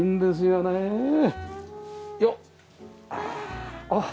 よっ。